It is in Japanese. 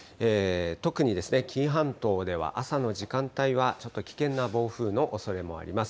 特に紀伊半島では朝の時間帯はちょっと危険な暴風のおそれもあります。